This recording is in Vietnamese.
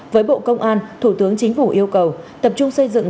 với bộ công an thủ tướng chính phủ yêu cầu tập trung xây dựng